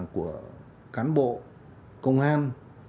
của cán bộ công an